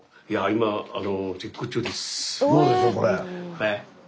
はい。